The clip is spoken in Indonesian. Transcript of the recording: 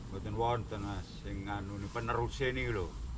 bukan wong pengen penerus ini loh